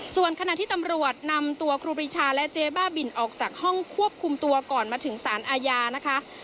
ส่วนขณะที่ตำรวจนำตัวครูปีชาและเจ๊บ้าบินออกจากห้องควบคุมตัวก่อนมาถึงสารอาญานะคะ